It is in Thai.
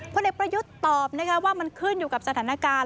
เด็กประยุทธ์ตอบว่ามันขึ้นอยู่กับสถานการณ์